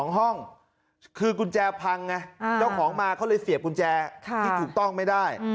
๒ห้องคือกุญแจพังไงเจ้าของมาเขาเลยเสียบกุญแจที่ถูกต้องไม่ได้